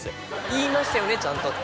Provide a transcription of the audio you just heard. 「言いましたよねちゃんと」。